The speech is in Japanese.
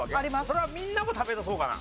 それはみんなも食べたそうかな？